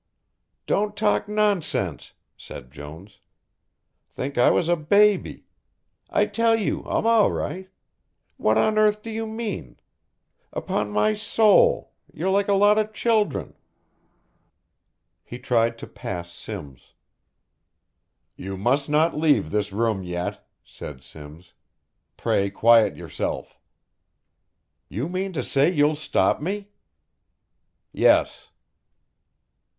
"Don't talk nonsense," said Jones, "think I was a baby. I tell you I'm all right what on earth do you mean upon my soul, you're like a lot of children." He tried to pass Simms. "You must not leave this room yet," said Simms. "Pray quiet yourself." "You mean to say you'll stop me?" "Yes."